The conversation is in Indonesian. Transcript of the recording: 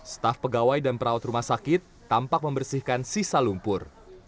staf pegawai dan perawat rumah sakit tampak membersihkan sisa lumpur